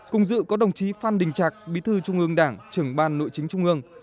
cùng dự có đồng chí phan đình trạc bí thư trung ương đảng trưởng ban nội chính trung ương